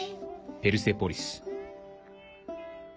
ペルセポリス。